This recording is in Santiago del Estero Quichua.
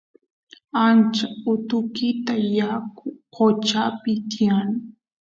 ancha utukita yaku qochapi tiyan